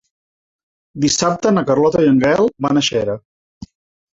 Dissabte na Carlota i en Gaël van a Xera.